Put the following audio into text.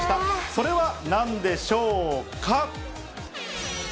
それはなんでしょうか。